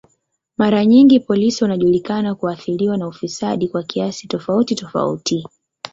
Mara nyingi polisi wanajulikana kuathiriwa na ufisadi kwa kiasi tofauti tofauti.